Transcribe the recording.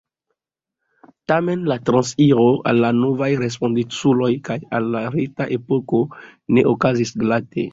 Tamen la transiro al novaj respondeculoj kaj al la reta epoko ne okazis glate.